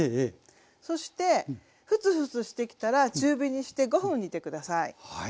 そしてフツフツしてきたら中火にして５分煮て下さい。